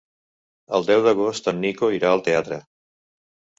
El deu d'agost en Nico irà al teatre.